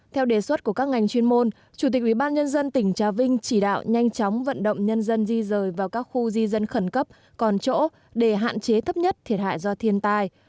theo đề xuất của các ngành chuyên môn chủ tịch ubnd tỉnh trà vinh chỉ đạo nhanh chóng vận động nhân dân di rời vào các khu di dân khẩn cấp còn chỗ để hạn chế thấp nhất thiệt hại do thiên tai